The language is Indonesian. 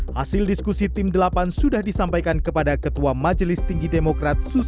hasil diskusi tim delapan sudah disampaikan kepada ketua majelis tinggi demokrat